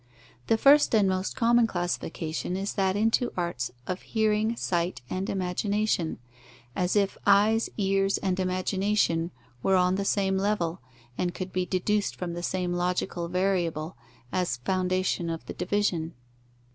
The first and most common classification is that into arts of hearing, sight, and imagination; as if eyes, ears, and imagination were on the same level, and could be deduced from the same logical variable, as foundation of the division.